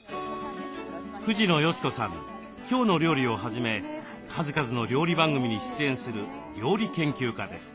「きょうの料理」をはじめ数々の料理番組に出演する料理研究家です。